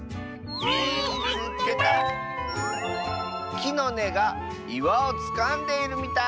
「きのねがいわをつかんでいるみたい！」。